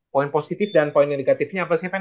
poin positif dan poin negatifnya apa sih ven